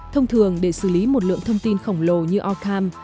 thông thường để xử lý một lượng thông tin khổng lồ như orcam